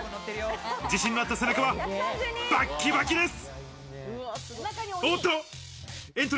自信のあった背中は、バッキバキです。